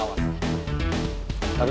aku mau jadi panglawan